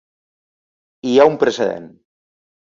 Hi ha un precedent.